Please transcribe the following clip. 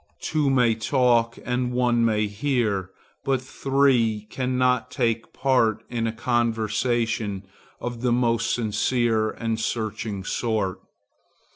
Two may talk and one may hear, but three cannot take part in a conversation of the most sincere and searching sort.